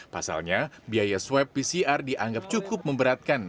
pasalnya biaya swab pcr dianggap cukup memberatkan